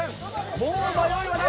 もう迷いはない。